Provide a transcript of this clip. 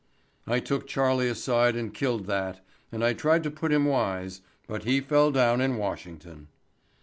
I took Charlie aside and killed that, and I tried to put him wise, but he fell down in Washington."